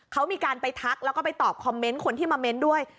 เขามีการไปทักแล้วก็ไปตอบคอมเมนต์คนที่มาเมนต์ด้วย